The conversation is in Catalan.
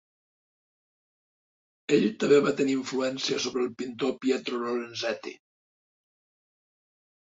Ell també va tenir influència sobre el pintor Pietro Lorenzetti.